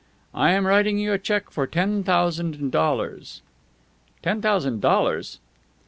I am writing you a check for ten thousand dollars " "Ten thousand dollars!"